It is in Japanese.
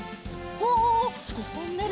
おトンネル。